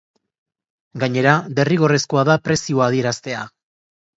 Gainera, derrigorrezkoa da prezioa adieraztea.